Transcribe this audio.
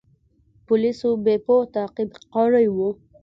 پولیسو بیپو تعقیب کړی و.